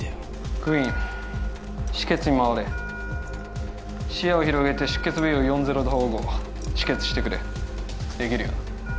クイーン止血にまわれ視野を広げて出血部位を４−０で縫合止血してくれできるよな？